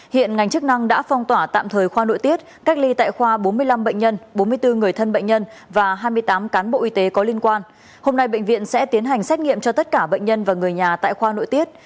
hiện ngành chức năng đã phong tỏa tạm thời khoa nội tiết cách ly tại khoa bốn mươi năm bệnh nhân bốn mươi bốn người thân bệnh nhân và hai mươi tám cán bộ y tế có liên quan hôm nay bệnh viện sẽ tiến hành xét nghiệm cho tất cả bệnh nhân và người nhà tại khoa nội tiết